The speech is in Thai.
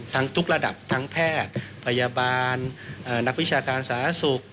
ทุกระดับทั้งแพทย์พยาบาลนักวิชาการสาธารณสุข